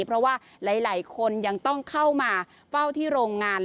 เพราะว่าหลายคนยังต้องเข้ามาเฝ้าที่โรงงาน